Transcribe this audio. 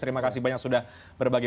terima kasih banyak sudah berbagi